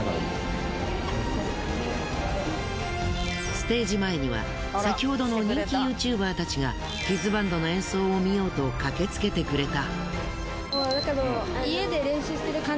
ステージ前には先ほどの人気ＹｏｕＴｕｂｅｒたちがキッズバンドの演奏を見ようと駆けつけてくれた。